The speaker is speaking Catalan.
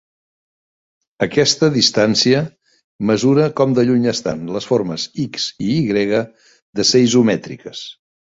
Aquesta distància mesura com de lluny estan les formes "X" i "Y" de ser isomètriques.